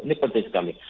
ini penting sekali